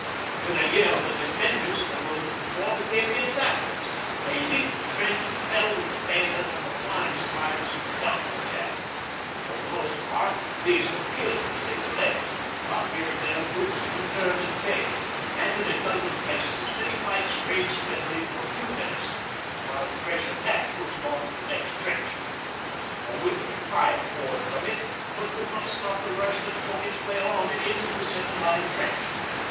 With a yell the defenders of a moment before became the attackers. They leaped the trench and fell with the bayonet on the flying survivors of the counter attack. For the most part these were killed as they fled; but here and there groups of them turned at bay, and in a dozen places as many fights raged bitterly for a few minutes, while the fresh attack pushed on to the next trench. A withering fire poured from it but could not stop the rush that fought its way on and into the second line trench.